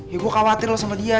ya gue khawatir lo sama dia tuh